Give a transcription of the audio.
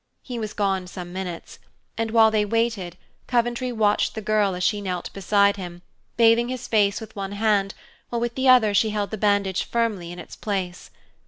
He was gone some minutes, and while they waited Coventry watched the girl as she knelt beside him, bathing his face with one hand while with the other she held the bandage firmly in its place.